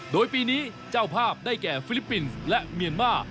โดยปีนี้เจ้าภาพได้แก่ฟิลิปปินส์และเมียนมา